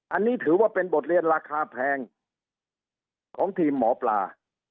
อันนี้ถือว่าเป็นบทเรียนราคาแพงของทีมหมอปลา